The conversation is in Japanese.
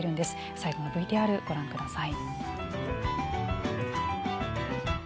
最後のＶＴＲをご覧ください。